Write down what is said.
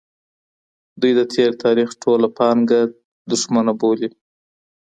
دوی د تېر تاریخ ټوله پانګه دښمنه بولي.